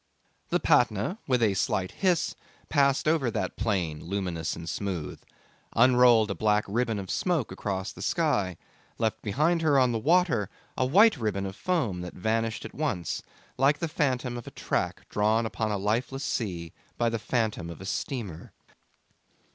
The Patna, with a slight hiss, passed over that plain, luminous and smooth, unrolled a black ribbon of smoke across the sky, left behind her on the water a white ribbon of foam that vanished at once, like the phantom of a track drawn upon a lifeless sea by the phantom of a steamer.